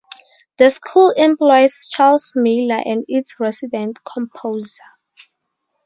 The school employs Charles Miller as its resident composer.